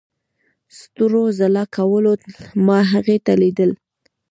ستورو ځلا کوله، ما هغې ته ليدل.